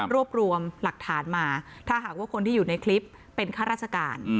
รวบรวมหลักฐานมาถ้าหากว่าคนที่อยู่ในคลิปเป็นข้าราชการ